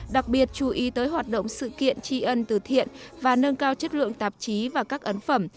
đặc biệt chú ý tới hoạt động sự kiện tri ân từ thiện và nâng cao chất lượng tạp chí và các ấn phẩm